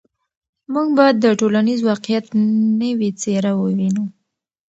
موږ به د ټولنیز واقعیت نوې څېره ووینو.